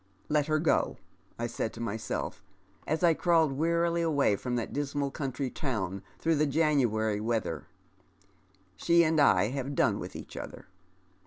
' Let her go,' I said to myself, as I crawled wearily away from that dismal countiy town, through the January weather, ' she and I have done with each other.'